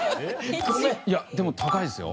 でも高いですよ？